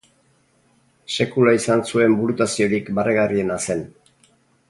Sekula izan zuen burutaziorik barregarriena zen.